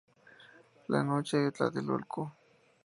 La noche de Tlatelolco.